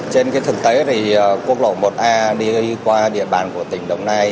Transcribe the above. trên thực tế thì quốc lộ một a đi qua địa bàn của tỉnh đồng nai